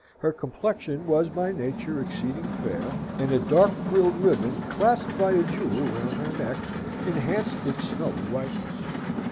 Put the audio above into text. Her complexion was by nature exceeding fair, and a dark frilled ribbon, clasped by a jewel, round her neck, enhanced its. snowy whiteness.